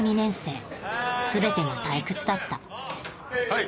はい。